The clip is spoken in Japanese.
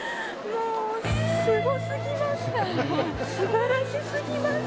もうすごすぎます！